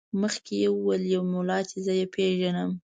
مخکې یې وویل یو ملا چې زه یې پېژنم.